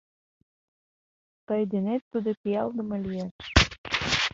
Тый денет тудо пиалдыме лиеш.